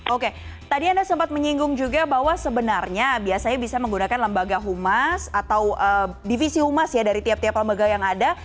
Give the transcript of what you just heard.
oke tadi anda sempat menyinggung juga bahwa sebenarnya biasanya bisa menggunakan lembaga humas atau divisi humas ya dari tiap tiap lembaga yang ada